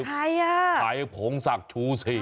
ชายค่ะชายพงศักดิ์ชูศี